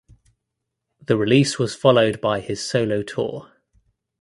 The release was followed by his solo tour.